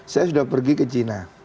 saya sudah pergi ke china